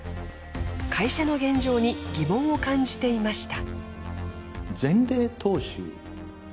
会社の現状に疑問を感じていました。